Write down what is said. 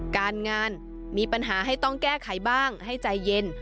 การงานมีปัญหาให้ต้องแก้ไขบ้างให้ใจเย็น